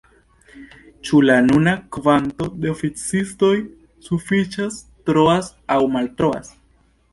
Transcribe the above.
Ĉu la nuna kvanto de oficistoj sufiĉas, troas aŭ maltroas?